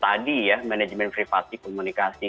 tadi ya manajemen privati komunikasi